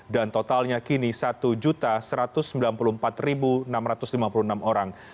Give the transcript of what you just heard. dan totalnya kini satu satu ratus sembilan puluh empat enam ratus lima puluh enam orang